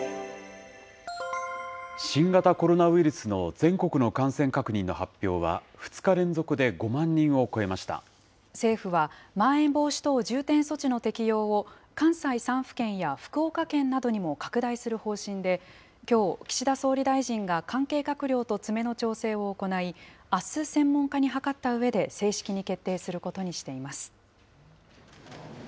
新型コロナウイルスの全国の感染確認の発表は、政府は、まん延防止等重点措置の適用を、関西３府県や福岡県などにも拡大する方針で、きょう、岸田総理大臣が関係閣僚と詰めの調整を行い、あす、専門家に諮ったうえで、正式に決定することにしています。